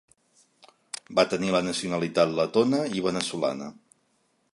Va tenir la nacionalitat letona i veneçolana.